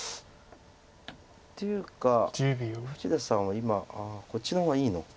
っていうか富士田さんは今こっちの方がいいの。